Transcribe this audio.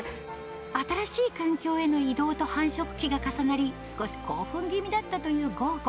新しい環境への移動と繁殖期が重なり、少し興奮気味だったというゴーゴ。